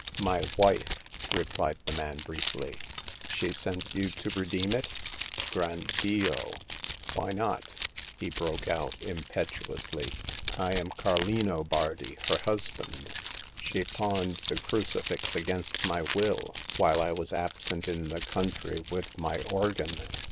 " My wife," replied the man, briefly. " She sent you to redeem it ?"Gran Dio ! Why not ?" he broke out, im petuously. I am Carlino Bardi, her husband. She pawned the crucifix against my will, while I was absent in the country with my organ.